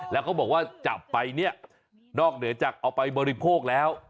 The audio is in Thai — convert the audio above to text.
แล้วเขาบอกว่าจับไปเนี่ยนอกเหนือจากเอาไปบริโภคแล้ว